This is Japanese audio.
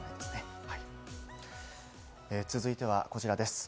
続いてはこちらです。